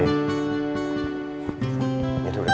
ini ada berikutnya bisa semua ya